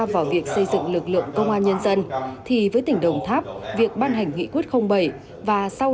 vào việc xây dựng lực lượng công an nhân dân thì với tỉnh đồng tháp việc ban hành nghị quyết bảy và sau